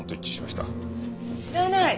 知らない！